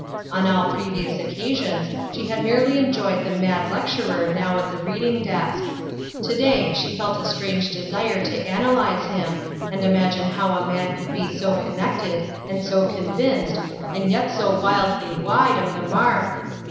On all previous occa sions she had merely enjoyed the mad lecturer now at the reading desk. Today she f dt a strange desire to analyse him, and imagine how a man could be so con nected and so convinced and yet so wildly wide of the mark.